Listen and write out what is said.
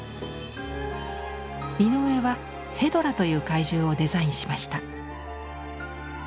井上は「ヘドラ」という怪獣をデザインしました。